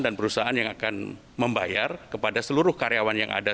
dan perusahaan yang akan membayar kepada seluruh karyawan yang ada